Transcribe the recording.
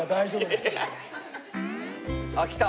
あっ来た！